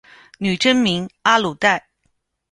女真名阿鲁带。